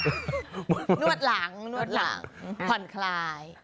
นวดหลังนวดหลังผ่อนคลาย